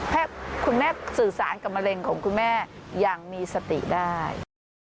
ถ้าคุณแม่สื่อสารกับมะเร็งของคุณแม่อย่างมีสติได้